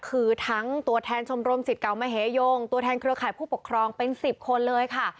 คือทั้งตัวแทนชมรมสิทธิ์เก่ามเหยงตัวแทนเครือข่ายผู้ปกครองเป็น๑๐คนเลยค่ะ